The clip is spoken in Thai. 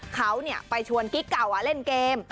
เขาไปชวนกิ๊กเก่าเล่นเกม